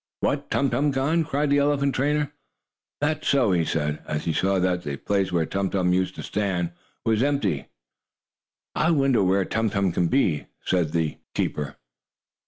"What, Tum Tum gone!" cried the elephant trainer. "That's so," he said, as he saw that the place where Tum Tum used to stand was empty. "I wonder where Tum Tum can be?" said the keeper.